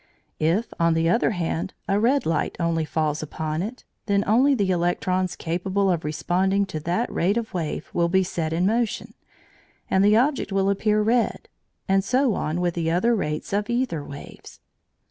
If, on the other hand, a "red light" only falls upon it, then only the electrons capable of responding to that rate of wave will be set in motion, and the object will appear red, and so on with the other rates of æther waves.